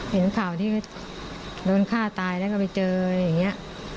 เห็นข่าวที่โดนฆ่าตายแล้วก็ไปเจออย่างนี้